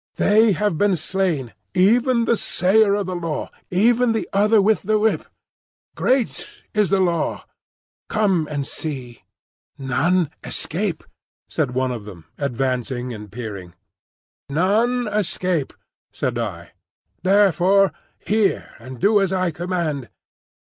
"They have been slain,—even the Sayer of the Law; even the Other with the Whip. Great is the Law! Come and see." "None escape," said one of them, advancing and peering. "None escape," said I. "Therefore hear and do as I command."